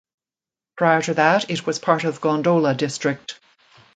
Prior to that it was part of Gondola District.